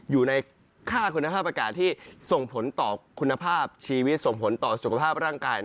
อยู่ในค่าคุณภาพอากาศที่ส่งผลต่อคุณภาพชีวิตส่งผลต่อสุขภาพร่างกาย